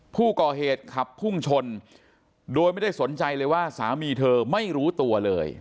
ผู้ก่อเหตุขับพุ่งชนโดยไม่ได้สนใจเลยว่าสามีเธอไม่รู้ตัวเลย